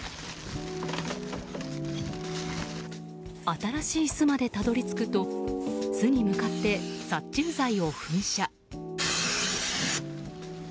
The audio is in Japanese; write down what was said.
新しい巣までたどり着くと巣に向かって殺虫剤を噴射。